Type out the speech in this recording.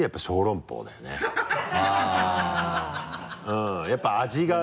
うんやっぱ味が。